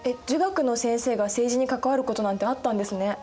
儒学の先生が政治に関わることなんてあったんですね。